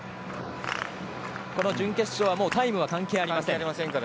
この準決勝はもうタイムは関係ありません。